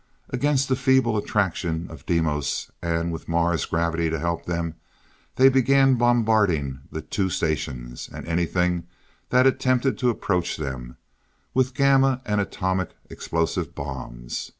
Against the feeble attraction of Deimos, and with Mars' gravity to help them, they began bombarding the two stations, and anything that attempted to approach them, with gamma and atomic explosive bombs.